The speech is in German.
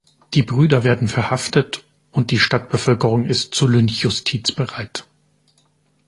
Die Brüder werden verhaftet, und die Stadtbevölkerung ist zur Lynchjustiz bereit.